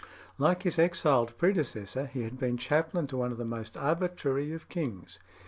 Like his expelled predecessor, he had been chaplain to one of the most arbitrary of kings.